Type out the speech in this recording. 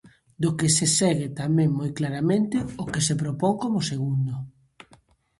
Do que se segue tamén moi claramente o que se propón como segundo.